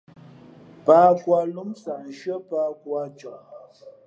Pǎh khu ā lǒm sah nshʉ́ά pǎh khu ā coh.